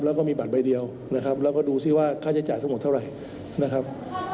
แล้วก็มีบัตรใบเดียวนะครับแล้วก็ดูซิว่าค่าใช้จ่ายทั้งหมดเท่าไหร่นะครับ